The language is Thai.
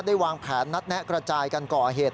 วางแผนนัดแนะกระจายกันก่อเหตุ